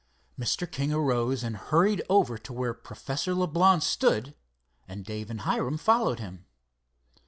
Mr. King arose and hurried over to where Professor Leblance stood, and Dave and Hiram followed him.